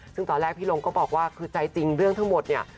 ซึ่งตอนแรกพี่ลงก็บอกว่าคือใจจริงเรื่องทั้งหมดเนี่ย